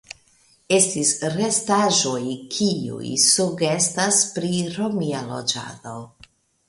Estis restaĵoj kiuj sugestas pri romia loĝado.